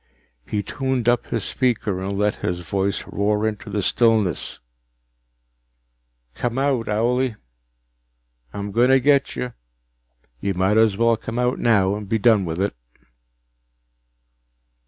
He tuned up his speaker and let his voice roar into the stillness: "Come out, owlie! I'm going to get you, you might as well come out now and be done with it!"